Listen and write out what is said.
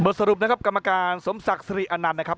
เบอร์สรุปนะครับกำจังสามสมศักดิ์ซีอริอันนั่นนะครับ